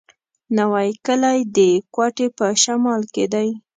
نوی کلی د کوټي په شمال کي دی.